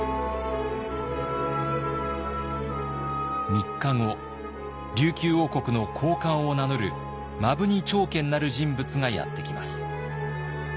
３日後琉球王国の高官を名乗る摩文仁朝健なる人物がやって来ます。